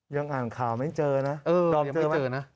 ยังอ่านข่าวไม่เจอนะ